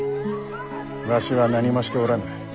わしは何もしておらぬ。